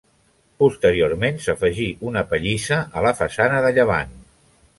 Posteriorment s'afegí una pallissa a la façana de llevant.